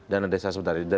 dana desa sebenarnya